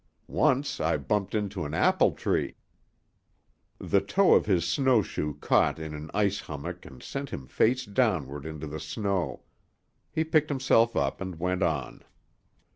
Once I bumped into an apple tree " The toe of his snow shoe caught in an ice hummock and sent him face downward into the snow. He picked himself up and went on.